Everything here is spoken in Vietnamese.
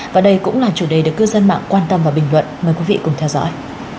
và đây cũng là chủ đề được cư dân mạng quan tâm và bình luận mời quý vị cùng theo dõi